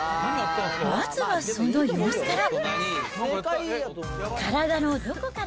まずはその様子から。